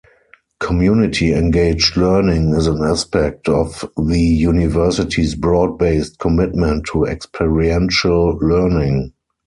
Community-engaged learning is an aspect of the university's broad-based commitment to experiential learning.